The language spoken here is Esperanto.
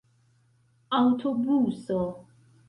aŭtobuso